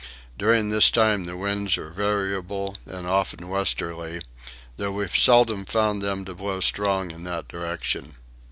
During this time the winds are variable and often westerly, though we seldom found them to blow strong in that direction.